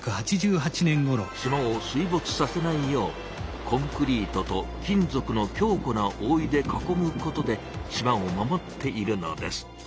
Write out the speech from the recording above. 島を水ぼつさせないようコンクリートと金ぞくの強固なおおいで囲むことで島を守っているのです。